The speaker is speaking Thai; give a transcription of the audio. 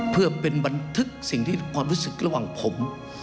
เพื่อเป็นบันทึกสิ่งที่ความรู้สึกระหว่างผม